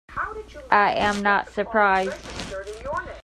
I am not surprised.